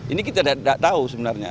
ini kita tidak tahu sebenarnya